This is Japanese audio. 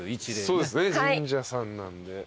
そうですね神社さんなんで。